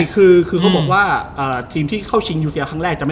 เคยเข้าชิงแล้วแพ้